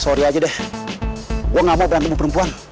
sorry aja deh gue gak mau berantem dengan perempuan